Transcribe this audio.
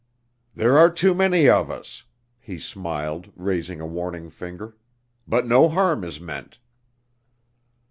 "There are too many of us," he smiled, raising a warning finger. "But no harm is meant."